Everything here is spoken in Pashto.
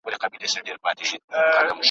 استادان او شاگردان یې دهقانان کړل ,